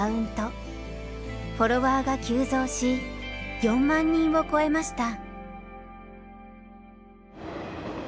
フォロワーが急増し４万人を超えました。